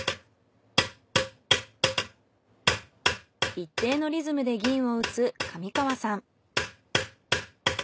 一定のリズムで銀を打つ上川さん。